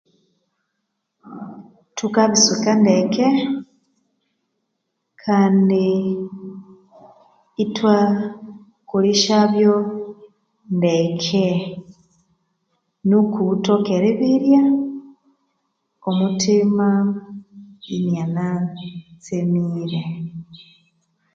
Thukabiswika ndeke kandi ithwa kolesyabyo ndeke nuku ghuthoke eribirya omuthima inya na tsemire